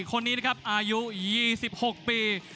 คนนี้นะครับอายุ๒๖ปี